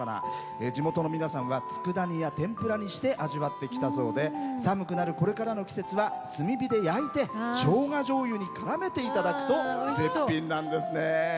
地元の皆さんはつくだ煮や天ぷらにして味わってきたそうで寒くなる、これからの季節は炭火で焼いてしょうがじょうゆにからめていただくと絶品なんですね。